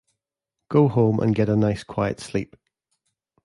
Go home and get a nice quiet sleep.